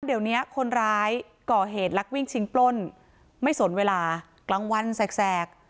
เดี๋ยวนี้คนร้ายก่อเหตุลักวิ่งชิงปล้นไม่สนเวลากลางวันแสก